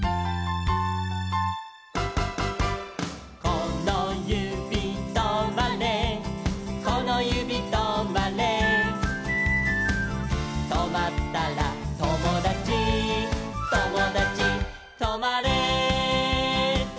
「このゆびとまれこのゆびとまれ」「とまったらともだちともだちとまれ」